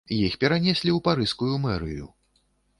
Іх перанеслі ў парыжскую мэрыю.